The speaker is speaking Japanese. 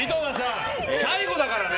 最後だからね。